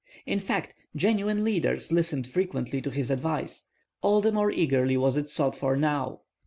In fact, genuine leaders listened frequently to his advice; all the more eagerly was it sought for now.